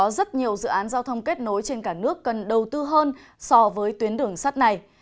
có rất nhiều dự án giao thông kết nối trên cả nước cần đầu tư hơn so với tuyến đường sắt này